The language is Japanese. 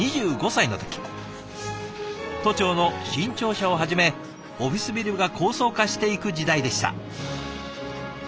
都庁の新庁舎をはじめオフィスビルが高層化していく時代でした。